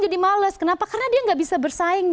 jadi males kenapa karena dia gak bisa bersaing